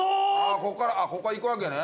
ここからここから行くわけね。